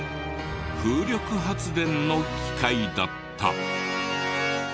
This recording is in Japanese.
風力発電の機械だった。